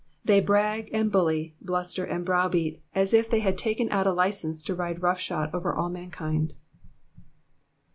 They brag and bully, bluster and brow beat, as if they had taken out a license to ride roughshod over all mankind.